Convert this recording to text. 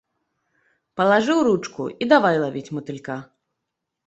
Палажыў ручку, і давай лавіць матылька.